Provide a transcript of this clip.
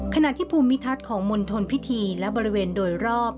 ขณะที่ภูมิทัศน์ของมณฑลพิธีและบริเวณโดยรอบ